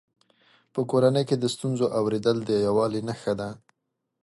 په کورنۍ کې د ستونزو اورېدل د یووالي نښه ده.